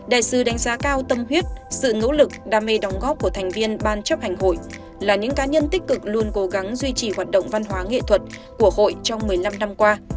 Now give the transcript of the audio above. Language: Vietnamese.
đại sứ đánh giá cao tâm huyết sự nỗ lực đam mê đóng góp của thành viên ban chấp hành hội là những cá nhân tích cực luôn cố gắng duy trì hoạt động văn hóa nghệ thuật của hội trong một mươi năm năm qua